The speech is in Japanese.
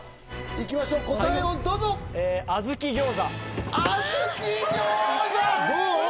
いきましょう答えをどうぞあずき餃子どう？